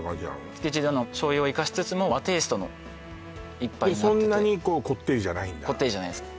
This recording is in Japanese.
つけ汁は醤油を生かしつつも和テイストの一杯になっててそんなにこってりじゃないんだこってりじゃないです